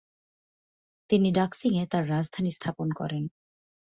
তিনি ডাক্সিংয়ে তার রাজধানী স্থাপন করেন।